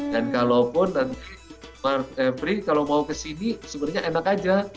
dan kbri kalau mau ke sini sebenarnya enak saja